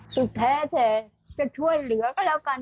สุดแท้แต่จะช่วยเหลือก็แล้วกันนะ